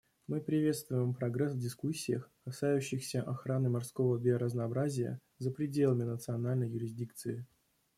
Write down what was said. Мы приветствуем прогресс в дискуссиях, касающихся охраны морского биоразнообразия за пределами национальной юрисдикции.